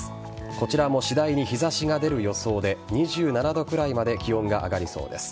こちらも次第に日差しが出る予想で２７度くらいまで気温が上がりそうです。